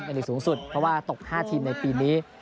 ลีกสูงสุดเพราะว่าตก๕ทีมในปีนี้